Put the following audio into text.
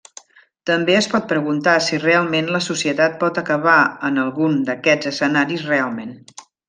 També es pot preguntar si realment la societat pot acabar en algun d'aquests escenaris realment.